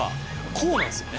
こうなんですよね。